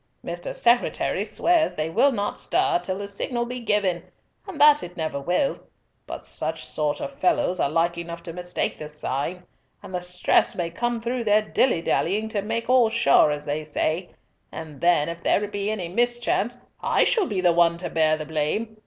Mr. Secretary swears they will not stir till the signal be given, and that it never will; but such sort of fellows are like enough to mistake the sign, and the stress may come through their dillydallying to make all sure as they say, and then, if there be any mischance, I shall be the one to bear the blame.